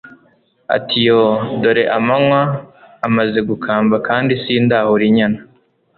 ati yooo! dore amanywa amaze gukamba, kandi sindahura inyana